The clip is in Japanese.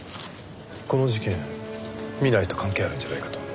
この事件南井と関係あるんじゃないかと。